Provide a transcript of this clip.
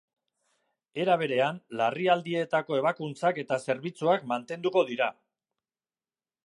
Era beran, larrialdietako ebakuntzak eta zerbitzuak mantenduko dira.